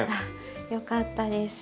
よかったです。